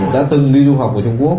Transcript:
đã từng đi du học ở trung quốc